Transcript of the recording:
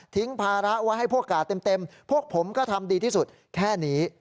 ภาระไว้ให้พวกกาดเต็มพวกผมก็ทำดีที่สุดแค่นี้